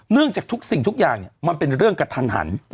จากทุกสิ่งทุกอย่างมันเป็นเรื่องกระทันหัน